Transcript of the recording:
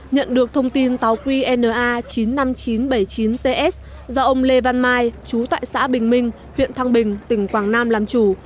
nhận được thông tin tàu qna chín mươi năm nghìn chín trăm bảy mươi chín ts do ông lê văn mai chú tại xã bình minh huyện thăng bình tỉnh quảng nam làm chủ